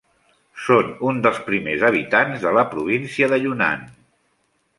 Són uns dels primers habitants de la província de Yunnan.